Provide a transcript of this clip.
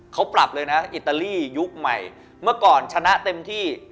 เขาปรับเลยนะอิตาลียุคใหม่เมื่อก่อนชนะเต็มที่